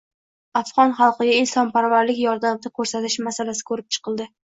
Afg‘on xalqiga insonparvarlik yordamini ko‘rsatish masalasi ko‘rib chiqildi